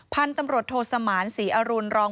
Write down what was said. พันธรรมดรถสมันก์ศรีอะรุณรอง